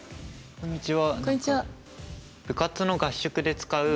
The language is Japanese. こんにちは。